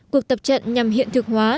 cuộc tập trận nhằm hiện thực hóa